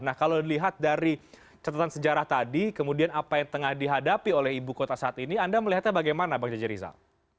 nah kalau dilihat dari catatan sejarah tadi kemudian apa yang tengah dihadapi oleh ibu kota saat ini anda melihatnya bagaimana bang jj rizal